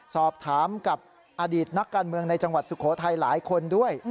สอบถามกับอดีตนักการเมืองในจังหวัดสุโขทัยหลายคนด้วย